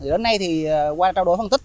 đến nay qua trao đổi phân tích